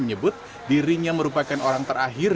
menyebut dirinya merupakan orang terakhir